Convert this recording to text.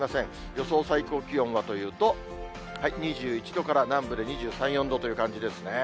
予想最高気温はというと、２１度から、南部で２３、４度という感じですね。